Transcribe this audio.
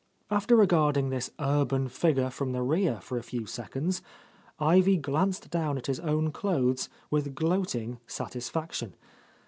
After regarding this urban figure from the rear for a few seconds. Ivy glanced down at his own clothes with gloating satisfaction.